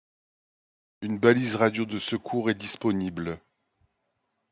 Une balise radio de secours est disponible.